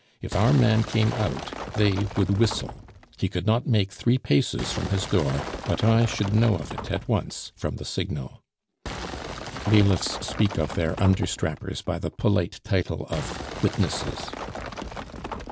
If our man came out, they would whistle; he could not make three paces from his door but I should know of it at once from the signal." (Bailiffs speak of their understrappers by the polite title of "witnesses.")